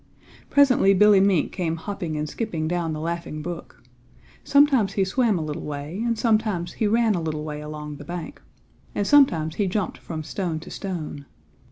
Presently Billy Mink came hopping and skipping down the Laughing Brook. Sometimes he swam a little way and sometimes he ran a little way along the bank, and sometimes he jumped from stone to stone.